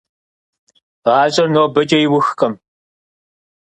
ГъащӀэр нобэкӀэ иухкъым…